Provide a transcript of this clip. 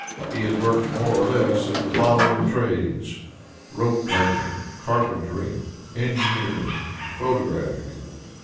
He had worked more or less at the following trades: Rope making, carpentering, engineering, and photographing.